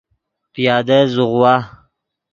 پیادل زوغوا